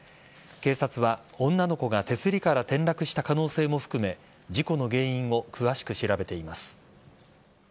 警察は女の子が手すりから転落した可能性も含め事故の原因を詳しく調べています。